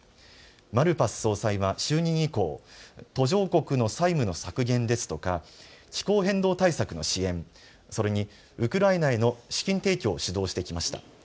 マルパス総裁は就任以降、途上国の債務の削減ですとか気候変動対策の支援、それにウクライナへの資金提供を主導してきました。